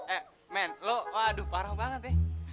eh men lo waduh parah banget deh